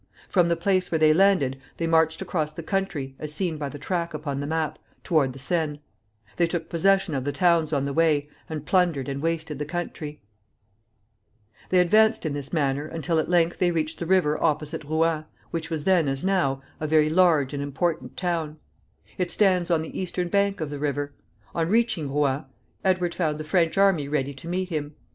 From the place where they landed they marched across the country, as seen by the track upon the map, toward the Seine. They took possession of the towns on the way, and plundered and wasted the country. [Illustration: MAP CAMPAIGN OF CRECY.] [Illustration: VIEW OF ROUEN, FROM THE WEST SIDE OF THE RIVER.] They advanced in this manner until at length they reached the river opposite Rouen, which was then, as now, a very large and important town. It stands on the eastern bank of the river. On reaching Rouen, Edward found the French army ready to meet him.